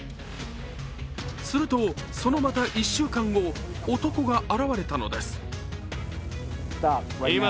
するとそのまた１週間後男が現れたのです。